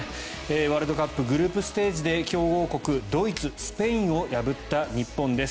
ワールドカップグループステージで強豪国ドイツ・スペインを破った日本です。